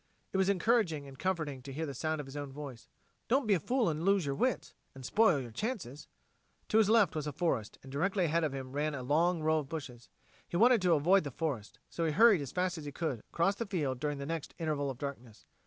It was encouraging and comforting to hear the sound of his own voice: "Don't be a fool and lose your wits and spoil your chances." To his left was a forest, and directly ahead of him ran a long row of bushes. He wanted to avoid the forest, so he hurried as fast as he could across the field during the next interval of darkness.